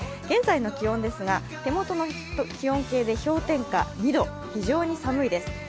現在の気温ですが、手元の気温計で氷点下２度、非常に寒いです。